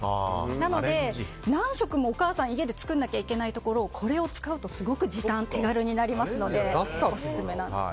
なので何食もお母さんが家で作らなきゃいけなかったところをこれを使うとすごく時短、手軽になるのでオススメなんです。